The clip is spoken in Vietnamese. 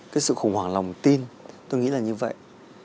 cái sự khủng hoảng lòng tin tôi nghĩ là như vậy